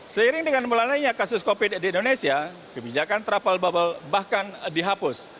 seiring dengan melanainya kasus covid di indonesia kebijakan travel bubble bahkan dihapus